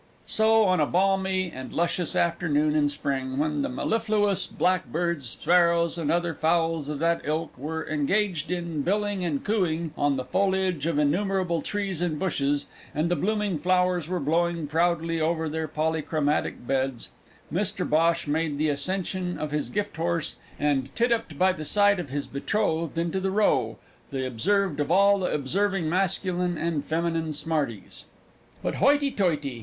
So, on a balmy and luscious afternoon in Spring, when the mellifluous blackbirds, sparrows, and other fowls of that ilk were engaged in billing and cooing on the foliage of innumerable trees and bushes, and the blooming flowers were blowing proudly on their polychromatic beds, Mr Bhosh made the ascension of his gifthorse, and titupped by the side of his betrothed into the Row, the observed of all the observing masculine and feminine smarties. But, hoity toity!